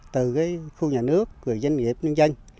từ khu nhà nước doanh nghiệp nông dân